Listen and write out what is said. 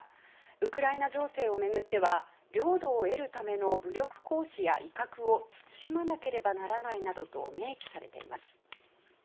ウクライナ情勢を巡っては領土を得るための武力行使や威嚇を慎まなければならないなどと明記されています。